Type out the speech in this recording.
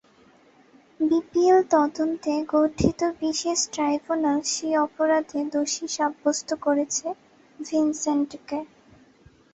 BPL তদন্তে গঠিত বিশেষ ট্রাইব্যুনাল সেই অপরাধে দোষী সাব্যস্ত করেছে ভিনসেন্টকে।